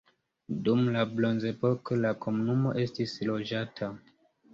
Dum la bronzepoko la komunumo estis loĝata.